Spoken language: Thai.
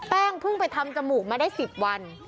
เพิ่งไปทำจมูกมาได้๑๐วัน